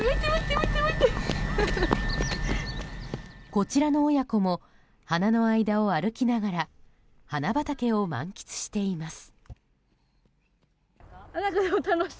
こちらの親子も花の間を歩きながら花畑を満喫しています。